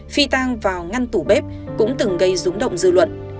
phi tang vào ngăn tủ bếp cũng từng gây rúng động dư luận